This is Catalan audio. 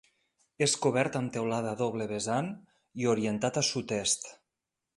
És cobert amb teulada a doble vessant i orientat a sud-est.